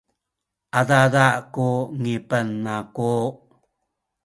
adada ku ngipen aku